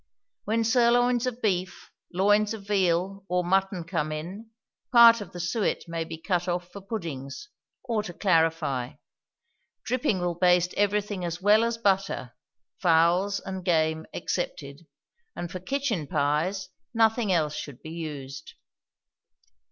When sirloins of beef, loins of veal or mutton come in, part of the suet may be cut off for puddings, or to clarify; dripping will baste everything as well as butter, fowls and game excepted; and for kitchen pies nothing else should be used.